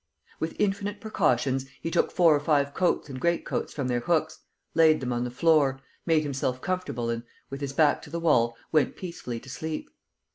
With infinite precautions, he took four or five coats and great coats from their hooks, laid them on the floor, made himself comfortable and, with his back to the wall, went peacefully to sleep.